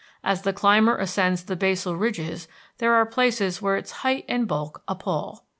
As the climber ascends the basal ridges there are places where its height and bulk appall.